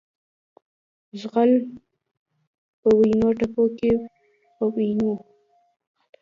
غزل پۀ وینو ، ټپه پۀ وینو